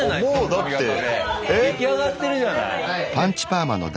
出来上がってるじゃない。